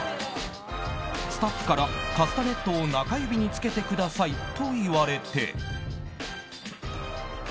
スタッフからカスタネットを中指につけてくださいと言われて。